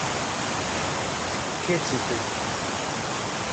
کێ چی کرد؟